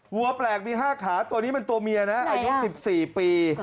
วัวแปลกมี๕ขาตัวนี้มันตัวเมียนะอายุ๑๔ปี